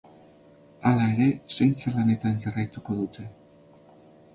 Hala ere, zaintza lanetan jarraituko dute.